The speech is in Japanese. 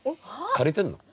借りてんの？